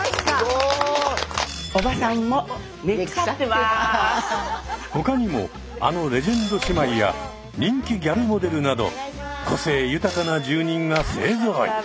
おばさんも他にもあのレジェンド姉妹や人気ギャルモデルなど個性豊かな住人が勢ぞろい。